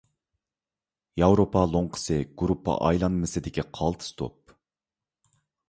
ياۋروپا لوڭقىسى گۇرۇپپا ئايلانمىسىدىكى قالتىس توپ.